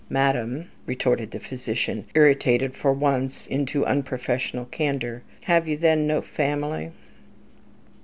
"Madam," retorted the physician, irritated for once into unprofessional candour, "have you then no family?"